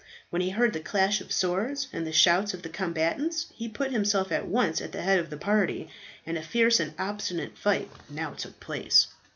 When he heard the clash of swords and the shouts of the combatants, he put himself at once at the head of the party, and a fierce and obstinate fight now took place.